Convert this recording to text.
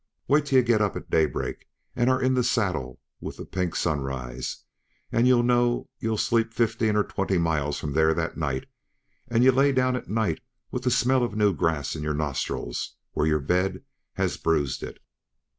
Wait till yuh get up at daybreak and are in the saddle with the pink uh sunrise, and know you'll sleep fifteen or twenty miles from there that night; and yuh lay down at night with the smell of new grass in your nostrils where your bed had bruised it.